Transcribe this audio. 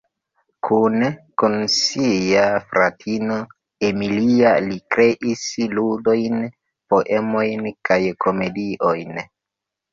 Kune kun sia fratino, Emilia, li kreis ludojn, poemojn kaj komediojn.